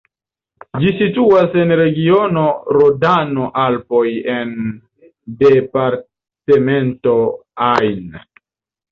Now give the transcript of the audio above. Ĝi situas en regiono Rodano-Alpoj en departemento Ain.